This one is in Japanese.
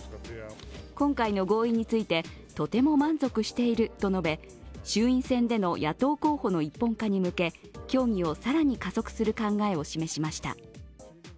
今回の合意について、とても満足していると述べ、衆院選での野党候補の一本化に向け、協議を更に加速する考えを示しました。